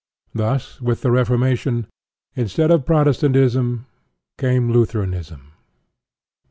Thus with the Reformation; instead of Protestantism came Lutheranism.